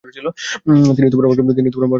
তিনি মরগানকে চিঠি লিখেন।